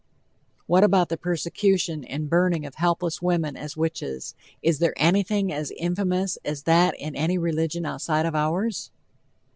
What about the persecution and burning of helpless women as witches? Is there anything as infamous as that in any religion outside of ours?